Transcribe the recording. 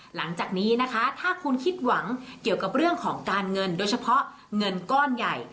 หลังจากนี้นะคะถ้าคุณคิดหวังเกี่ยวกับเรื่องของการเงินโดยเฉพาะเงินก้อนใหญ่